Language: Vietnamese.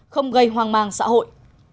không gây hoang mang xã hội